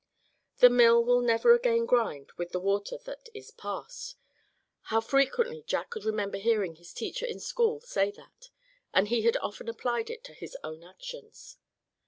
The mill will never again grind with the water that is past how frequently Jack could remember hearing his teacher in school say that; and he had often applied it to his own actions.